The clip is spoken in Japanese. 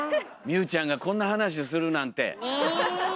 望結ちゃんがこんな話するなんて！ね！